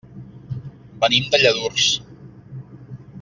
Venim de Lladurs.